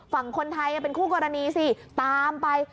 ฝั่งคนไทยเป็นคู่กรณีสิตามไป